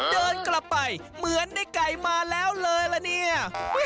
เดินกลับไปเหมือนในไก่มาแล้วเลยละเนี่ย